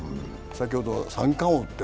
先ほど三冠王って。